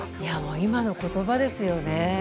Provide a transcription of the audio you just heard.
今の言葉ですよね。